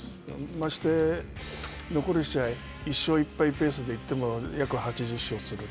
まして、残る試合、１勝１敗ペースで行っても約８０勝する。